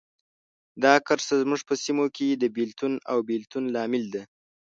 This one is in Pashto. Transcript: دا کرښه زموږ په سیمو کې د بېلتون او بیلتون لامل ده.